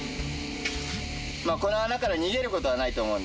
まあこの穴から逃げることはないと思うんで。